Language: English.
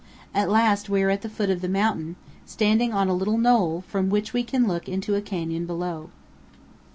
At last we are at the foot of the mountain, standing on a little knoll, from which we can look into a canyon below.